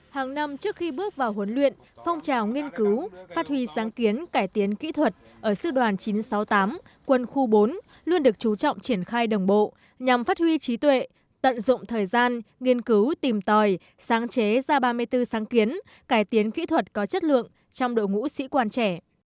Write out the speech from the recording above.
hàng năm trước khi bước vào huấn luyện phong trào nghiên cứu phát huy sáng kiến cải tiến kỹ thuật ở sư đoàn chín trăm sáu mươi tám quân khu bốn luôn được chú trọng triển khai đồng bộ nhằm phát huy trí tuệ tận dụng thời gian nghiên cứu tìm tòi sáng chế ra ba mươi bốn sáng kiến cải tiến kỹ thuật có chất lượng trong đội ngũ sĩ quan trẻ